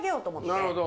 なるほど。